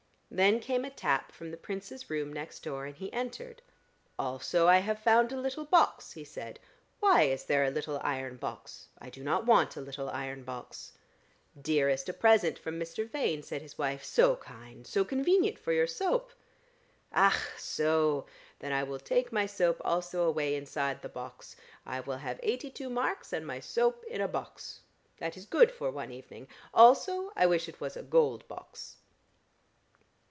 Then came a tap from the Prince's room next door, and he entered. "Also, I have found a little box," he said. "Why is there a little iron box? I do not want a little iron box." "Dearest, a present from Mr. Vane," said his wife. "So kind! So convenient for your soap." "Ach! So! Then I will take my soap also away inside the box. I will have eighty two marks and my soap in a box. That is good for one evening. Also, I wish it was a gold box."